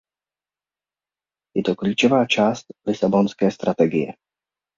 Je to klíčová část Lisabonské strategie.